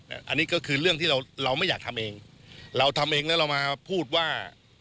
อันนี้ก็คือเรื่องที่เราเราไม่อยากทำเองเราทำเองแล้วเรามาพูดว่า